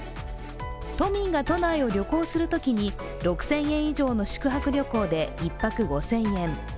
都民が都内を旅行するときに６０００円以上の宿泊旅行で１泊５０００円。